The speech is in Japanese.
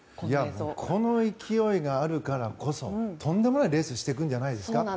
この勢いがあるからこそとんでもないレースをしてくるんじゃないですか？